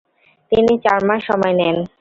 তিনি চার মাস সময় নেন।